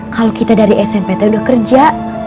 kalau kita dari smpt udah kerja